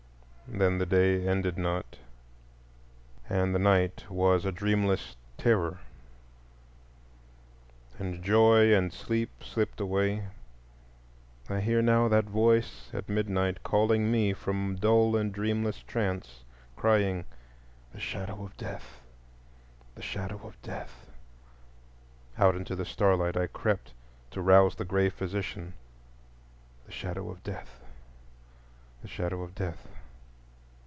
Then the day ended not, and night was a dreamless terror, and joy and sleep slipped away. I hear now that Voice at midnight calling me from dull and dreamless trance,—crying, "The Shadow of Death! The Shadow of Death!" Out into the starlight I crept, to rouse the gray physician,—the Shadow of Death, the Shadow of Death.